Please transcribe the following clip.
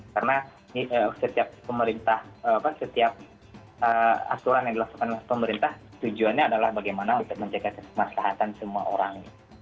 karena setiap aturan yang dilakukan oleh pemerintah tujuannya adalah bagaimana untuk menjaga kesempatan semua orang